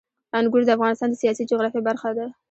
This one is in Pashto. انګور د افغانستان د سیاسي جغرافیه برخه ده.